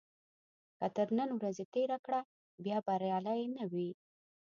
که تر نن ورځې تېره کړه بیا بریالی نه وي.